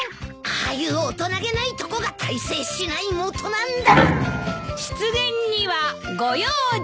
ああいう大人げないとこが大成しないもとなんだ。